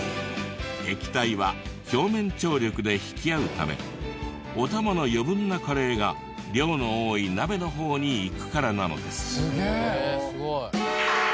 液体は表面張力で引き合うためお玉の余分なカレーが量の多い鍋の方に行くからなのです。